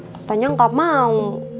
katanya gak mau